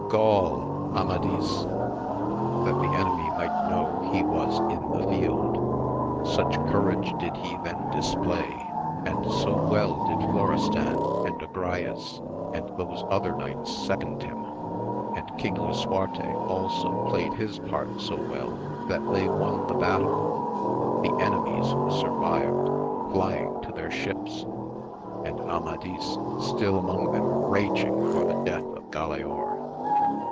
Gaul ! Amadis ! that the enemy might know he was in the field. Such courage did he then display, and so well did Florestan and Agrayes, and those other knights second him, and King Lisuarte also played his part so well, that they won the battle ; the enemies who survived flying to their ships, and Amadis still among them raging for the death of Galaor.